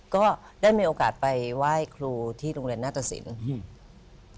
ก็ได้มีโอกาสไปไหว้ครูที่โรงเรียนนาตสินอืม